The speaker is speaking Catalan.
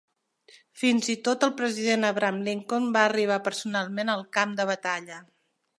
Fins i tot el president Abraham Lincoln va arribar personalment al camp de batalla.